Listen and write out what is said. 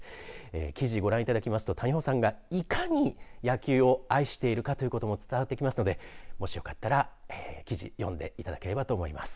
記事ご覧いただきますと谷保さんが、いかに野球を愛しているかということも伝わってきますのでもしよかったら記事読んでいただければと思います。